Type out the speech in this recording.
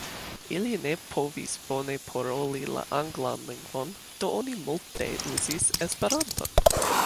Ili ne povis bone paroli la anglan lingvon, do oni multe uzis Esperanton.